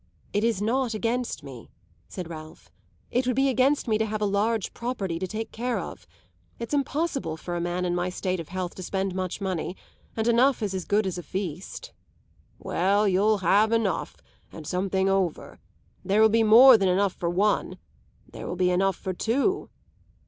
"It is not against me," said Ralph. "It would be against me to have a large property to take care of. It's impossible for a man in my state of health to spend much money, and enough is as good as a feast." "Well, you'll have enough and something over. There will be more than enough for one there will be enough for two."